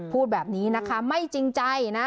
พูดแบบนี้นะคะไม่จริงใจนะ